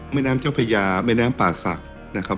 แม่น้ำเจ้าพญาแม่น้ำป่าศักดิ์นะครับ